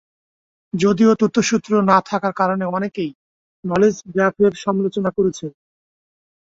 যদিও তথ্যসূত্র না থাকার কারণে অনেকেই নলেজ গ্রাফ এর সমালোচনা করেছেন।